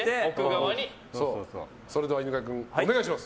それでは犬飼君お願いします。